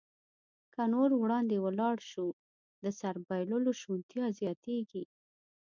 که نور وړاندې ولاړ شو، د سر بایللو شونتیا زیاتېږي.